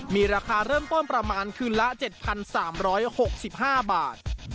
มีราคาเริ่มต้นประมาณคืนละ๗๓๖๕บาท